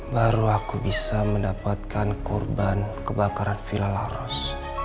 baru aku bisa mendapatkan kurban kebakaran villa laros